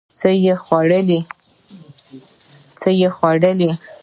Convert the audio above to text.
څه خوړې؟